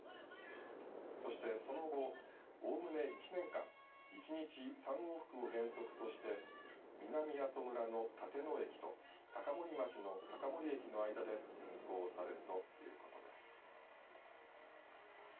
そしてその後おおむね１年間一日３往復を原則として南阿蘇村の立野駅と高森町の高森駅の間で運行されるということです。